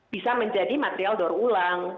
bisa menjadi material daur ulang